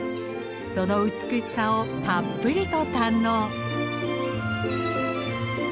その美しさをたっぷりと堪能。